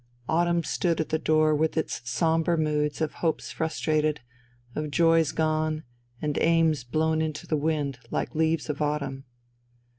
Autumn stood at the door with its sombre moods of hopes frustrated, of joys gone, and aims blown to the wind, like leaves of autumn.